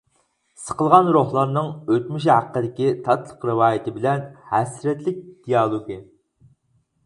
سىقىلغان روھلارنىڭ ئۆتمۈشى ھەققىدىكى تاتلىق رىۋايىتى بىلەن ھەسرەتلىك دىيالوگى.